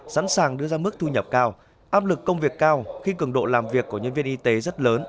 sẵn sàng đưa ra mức thu nhập cao áp lực công việc cao khi cường độ làm việc của nhân viên y tế rất lớn